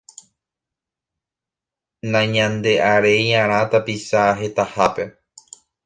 Nañande'aréi'arã tapicha hetahápe.